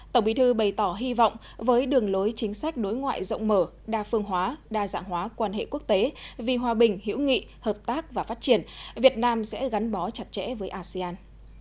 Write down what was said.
tổng bí thư bày tỏ hy vọng với đường lối chính sách đối ngoại rộng mở đa phương hóa đa dạng hóa quan hệ quốc tế vì hòa bình hữu nghị hợp tác và phát triển việt nam sẽ gắn bó chặt chẽ với asean